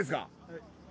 はい。